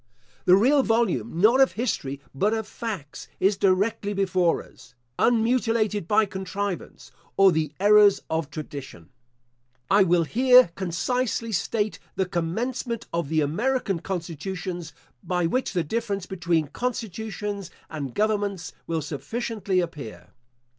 The real volume, not of history, but of facts, is directly before us, unmutilated by contrivance, or the errors of tradition. I will here concisely state the commencement of the American constitutions; by which the difference between constitutions and governments will sufficiently appear.